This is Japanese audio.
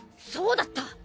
そうだった！